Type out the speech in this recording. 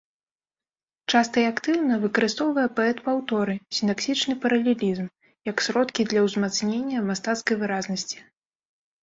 Часта і актыўна выкарыстоўвае паэт паўторы, сінтаксічны паралелізм, як сродкі для ўзмацнення мастацкай выразнасці.